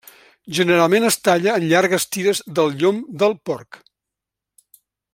Generalment es talla en llargues tires del llom del porc.